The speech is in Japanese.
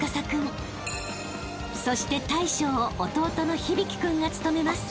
［そして大将を弟の響君が務めます］